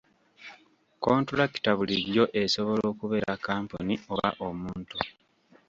Kontulakita bulijjo esobola okubeera kampuni oba omuntu.